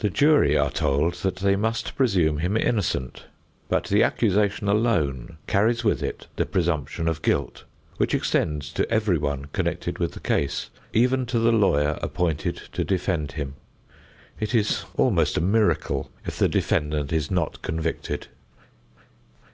The jury are told that they must presume him innocent, but the accusation alone carries with it the presumption of guilt, which extends to everyone connected with the case, even to the lawyer appointed to defend him. It is almost a miracle if the defendant is not convicted.